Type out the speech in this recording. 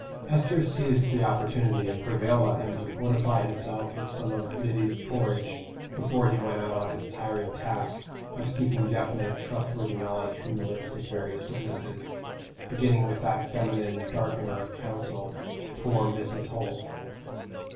Esther seized the opportunity and prevailed on him to fortify himself with some of Lyddy's porridge before he went out on his tiring task of seeking definite trustworthy knowledge from the lips of various witnesses, beginning with that feminine darkener of counsel, poor Mrs. Holt.